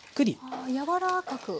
あやわらかく。